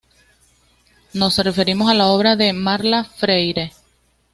Nos referimos a la obra de Marla Freire.